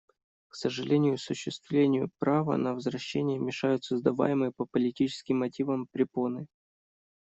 К сожалению, осуществлению права на возвращение мешают создаваемые по политическим мотивам препоны.